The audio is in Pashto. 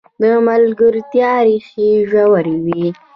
د ملګرتیا ریښې ژورې وي.